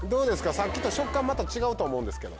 さっきと食感また違うと思うんですけど。